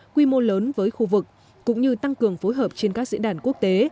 quy mô lớn với khu vực cũng như tăng cường phối hợp trên các diễn đàn quốc tế